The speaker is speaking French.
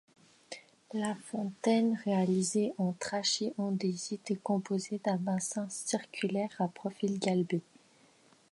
La fontaine réalisée en trachy-andésite est composé d'un bassin circulaire à profil galbé.